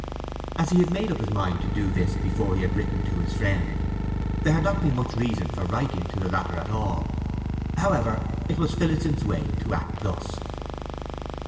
As he had made up his mind to do this before he had written to his friend, there had not been much reason for writing to the latter at all. However, it was Phillotson's way to act thus.